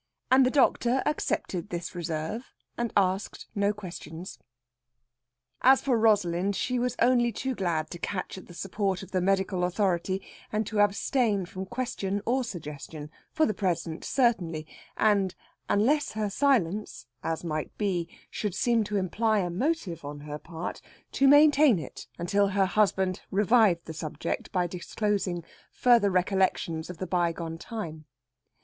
And the doctor accepted this reserve, and asked no questions. As for Rosalind, she was only too glad to catch at the support of the medical authority and to abstain from question or suggestion; for the present certainly, and, unless her silence as might be should seem to imply a motive on her part, to maintain it until her husband revived the subject by disclosing further recollections of the bygone time.